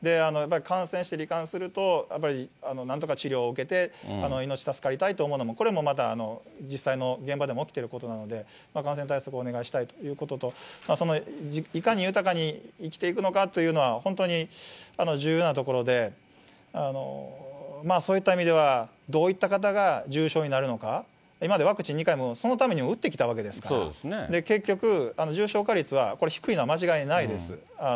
やっぱり感染してり患すると、やっぱりなんとか治療を受けて、命助かりたいと思うのも、これもまた実際の現場でも起きていることなので、感染対策をお願いしたいということと、そのいかに豊かに生きていくのかというのは、本当に重要なところで、そういった意味では、どういった方が重症になるのか、今までワクチン２回も、そのために打ってきたわけですから、結局、重症化率は低いのは間違いないです。